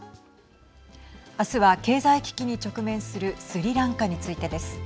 あすは経済危機に直面するスリランカについてです。